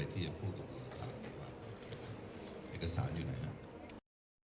แต่ถ้าคุณชุวิตไม่ออกมาเป็นเรื่องกลุ่มมาเฟียร์จีน